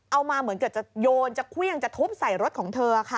เอามาเหมือนจะโยนจะเควี้ยงจะทุบใส่รถของเธอค่ะ